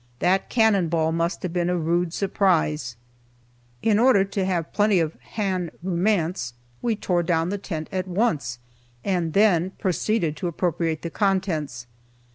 That cannon ball must have been a rude surprise. In order to have plenty of "han' roomance," we tore down the tent at once, and then proceeded to appropriate the contents.